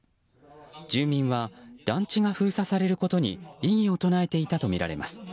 住民は団地が封鎖されることに異議を唱えていたとみられます。